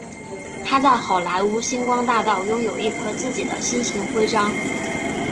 他在好莱坞星光大道拥有一颗自己的星形徽章。